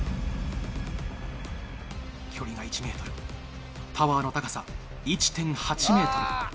距離が１ｍタワーの高さ１．８ｍ。